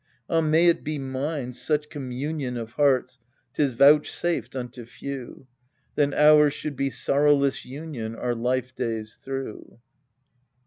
Ah, may it be mine, such communion Of hearts ! 'tis vouchsafed unto few : Then ours should be sorrowless union Our life days through.